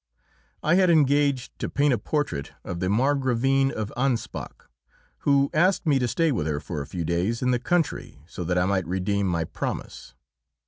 I had engaged to paint a portrait of the Margravine of Anspach, who asked me to stay with her for a few days in the country so that I might redeem my promise.